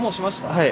はい。